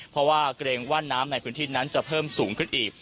เพราะว่าเกรงว่าน้ำในพื้นที่นั้นจะเพิ่มสูงขึ้นอีก